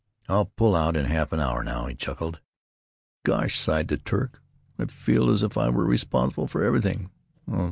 "I'll pull out in half an hour now," he chuckled. "Gosh!" sighed the Turk. "I feel as if I was responsible for everything.